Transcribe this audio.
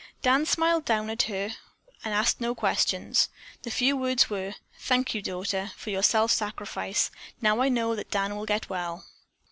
Dan smiled down at her and asked no questions. The few words were: "Thank you, daughter, for your self sacrifice. Now I know that Dan will get well."